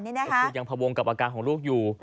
คือยังพวงกับอาการของลูกอยู่